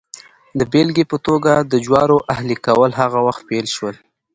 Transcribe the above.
د بېلګې په توګه د جوارو اهلي کول هغه وخت پیل شول